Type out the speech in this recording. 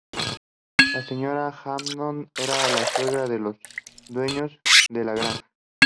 La señora Hammond era la suegra de los dueños de la granja.